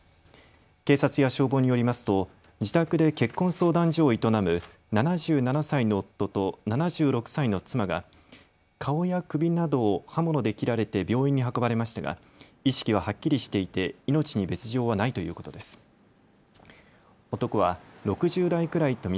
警察や消防によりますと自宅で結婚相談所を営む７７歳の夫と７６歳の妻が顔や首などを刃物で切られて病院に運ばれましたが意識ははっきりしていて命に別状はないということです。